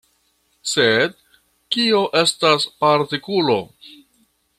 Sed kio estas partikulo?